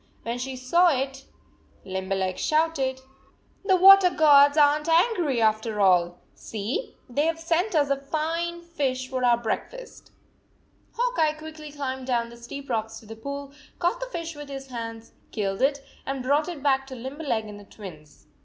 When she saw it, Limberleg shouted: "The water gods aren t angry, after all ! See, they have sent us a fine fish for our breakfast! " 1 06 Hawk Eye quickly climbed down the steep rocks to the pool, caught the fish with his hands, killed it, and brought it back to Limberleg and the Twins.